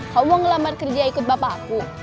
kamu mau ngelamar kerja ikut bapak aku